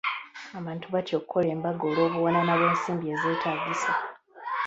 Abantu batya okukola embaga olw'obuwanana bw'ensimbi ezeetaagisa.